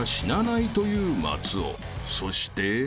［そして］